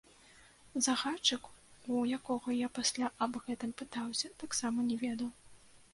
Загадчык, у якога я пасля аб гэтым пытаўся, таксама не ведаў.